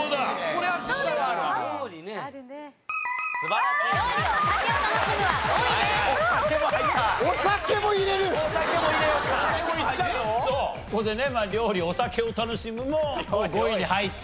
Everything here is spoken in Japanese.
ここでね料理・お酒を楽しむも５位に入った。